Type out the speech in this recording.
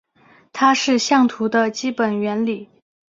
它是相图的基本原理。